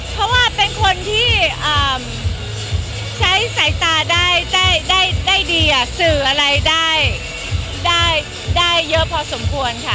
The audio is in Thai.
เพราะว่าเป็นคนที่ใช้สายตาได้ดีสื่ออะไรได้เยอะพอสมควรค่ะ